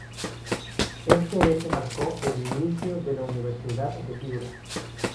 Este hecho marcó el inicio de la Universidad de Piura.